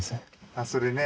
あっそれね。